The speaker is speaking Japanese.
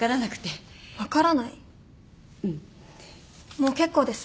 もう結構です。